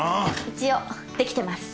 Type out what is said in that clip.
一応できてます。